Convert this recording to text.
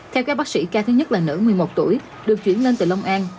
theo các bác sĩ ca thứ nhất là nữ một mươi một tuổi được chuyển lên từ long an